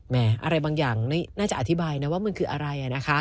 อะไรบางอย่างน่าจะอธิบายนะว่ามันคืออะไร